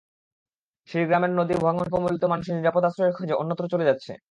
সেই গ্রামের নদী ভাঙনকবলিত মানুষ নিরাপদ আশ্রয়ের খোঁজে অন্যত্র চলে যাচ্ছে।